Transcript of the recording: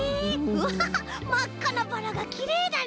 うわまっかなバラがきれいだね！